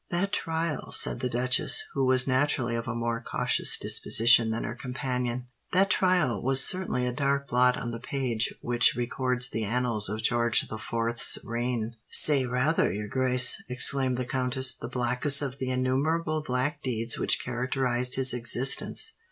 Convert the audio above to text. "That trial," said the duchess, who was naturally of a more cautious disposition than her companion,—"that trial was certainly a dark blot on the page which records the annals of George the Fourth's reign." "Say rather, your grace," exclaimed the countess, "the blackest of the innumerable black deeds which characterised his existence.